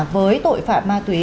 với tội phạm ma túy